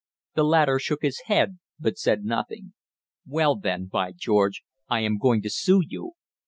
The latter shook his head but said nothing. "Well, then, by George, I am going to sue you!"